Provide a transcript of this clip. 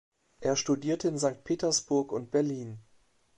Er studierte in Sankt Petersburg und Berlin.